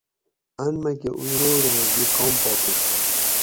ان میکہ اتروڑی دی قام پا پڛ